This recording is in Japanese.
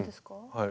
はい。